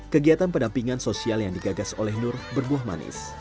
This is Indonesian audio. kegiatan pendampingan sosial yang digagas oleh nur berbuah manis